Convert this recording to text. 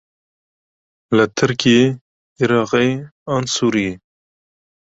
Li Tirkiyê, Iraqê an Sûriyê?